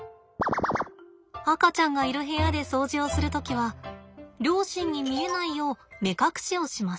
赤ちゃんがいる部屋で掃除をする時は両親に見えないよう目隠しをします。